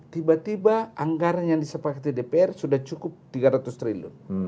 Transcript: tiba tiba anggaran yang disepakati dpr sudah cukup tiga ratus triliun